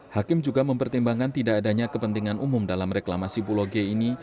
hakim juga mempertimbangkan tidak adanya kepentingan umum dalam reklamasi pulau g ini